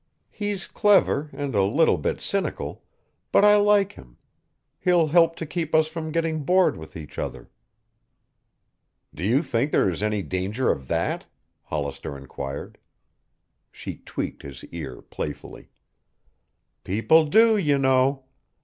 "He's clever and a little bit cynical, but I like him. He'll help to keep us from getting bored with each other." "Do you think there is any danger of that?" Hollister inquired. She tweaked his ear playfully. "People do, you know.